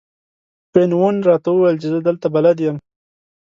وین وون راته وویل چې زه دلته بلد یم.